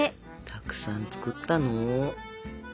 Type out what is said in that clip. たくさん作ったの。